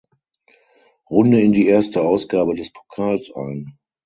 Runde in die erste Ausgabe des Pokals ein.